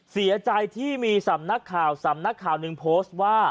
เสียใจที่มีสำนักข่าวสำนักข่าวหนึ่งโพสต์ว่า